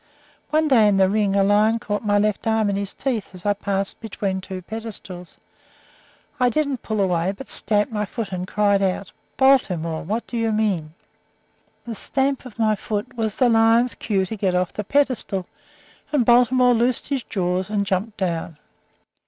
One day in the ring a lion caught my left arm in his teeth as I passed between two pedestals. I didn't pull away, but stamped my foot and cried out, 'Baltimore, what do you mean?' The stamp of my foot was the lion's cue to get off the pedestal, and Baltimore loosed his jaws and jumped down.